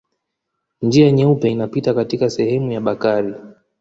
Njia Nyeupe inapita katika sehemu ya Bakari.